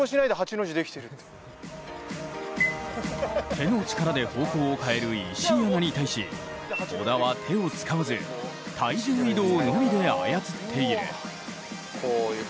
手の力で方向を変える石井アナに対し小田は手を使わず体重移動のみで操っている。